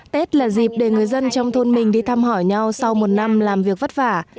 tết là dịp để người dân trong thôn mình đi thăm hỏi nhau sau một năm làm việc vất vả